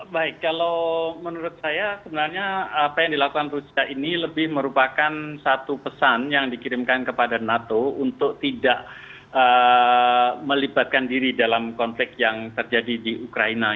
baik kalau menurut saya sebenarnya apa yang dilakukan rusia ini lebih merupakan satu pesan yang dikirimkan kepada nato untuk tidak melibatkan diri dalam konflik yang terjadi di ukraina